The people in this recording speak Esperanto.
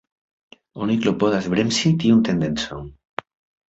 Oni klopodas bremsi tiun tendencon.